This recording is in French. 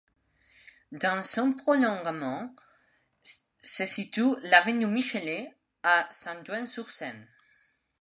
Dans son prolongement se situe l'avenue Michelet à Saint-Ouen-sur-Seine.